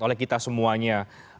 oleh kita semuanya